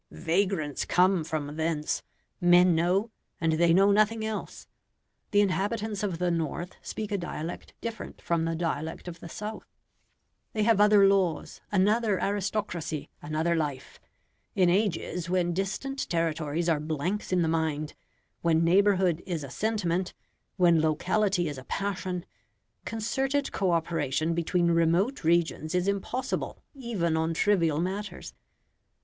"Vagrants come from thence," men know, and they know nothing else. The inhabitants of the north speak a dialect different from the dialect of the south: they have other laws, another aristocracy, another life. In ages when distant territories are blanks in the mind, when neighbourhood is a sentiment, when locality is a passion, concerted co operation between remote regions is impossible even on trivial matters.